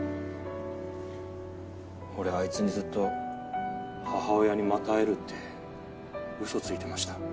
俺あいつにずっと「母親にまた会える」って嘘ついてました。